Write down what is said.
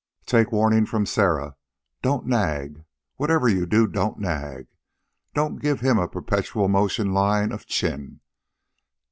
"Take warning from Sarah. Don't nag. Whatever you do, don't nag. Don't give him a perpetual motion line of chin.